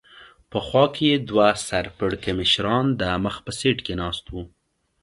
په خوا کې یې دوه سر پړکمشران د مخ په سېټ کې ناست و.